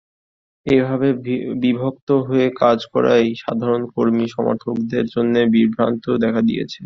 এভাবে বিভক্ত হয়ে কাজ করায় সাধারণ কর্মী-সমর্থকদের মধ্যে বিভ্রান্তি দেখা দিয়েছে।